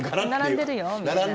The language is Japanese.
並んでるよ。